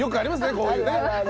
こういうね。